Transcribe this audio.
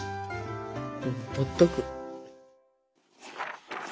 ほっとく。